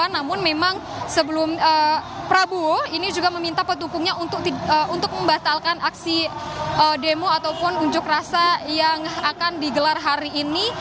namun memang sebelum prabowo ini juga meminta pendukungnya untuk membatalkan aksi demo ataupun unjuk rasa yang akan digelar hari ini